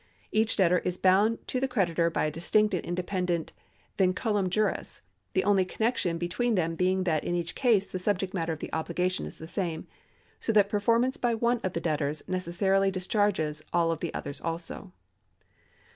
Each debtor is bound to the creditor by a distinct and independent vinculum juris, the only connexion between them being that in each case the subject matter of the obligation is the same, so that performance by one of the debtors necessarily dis charges all the others also.